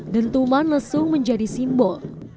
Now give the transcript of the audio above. den tuman lesung menjadi simbol